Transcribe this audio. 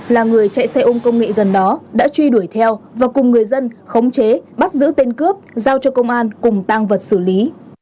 là người chạy xe ôm công nghệ gần đó đã truy đuổi theo và cùng người dân khống chế bắt giữ tên cướp giao cho công an cùng tăng vật xử lý